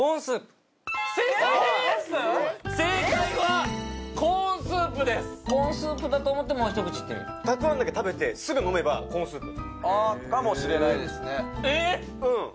正解はコーンスープですコーンスープだと思ってもう一口いってみようたくあんだけ食べてすぐ飲めばコーンスープああえっ？